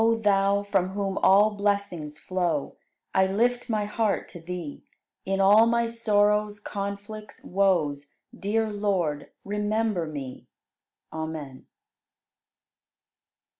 67. O Thou, from whom all blessings flow, I lift my heart to Thee; In all my sorrows, conflicts, woes, Dear Lord, remember me. Amen.